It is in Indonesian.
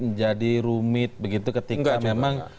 menjadi rumit begitu ketika memang